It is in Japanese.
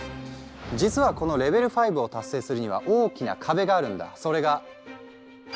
実はこのレベル５を達成するには大きな壁があるんだ。